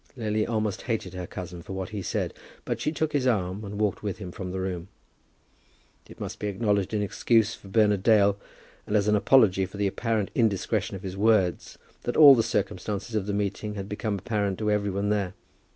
Lily almost hated her cousin for what he said; but she took his arm, and walked with him from the room. It must be acknowledged in excuse for Bernard Dale, and as an apology for the apparent indiscretion of his words, that all the circumstances of the meeting had become apparent to every one there.